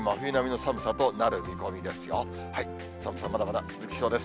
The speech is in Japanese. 寒さ、まだまだ続きそうです。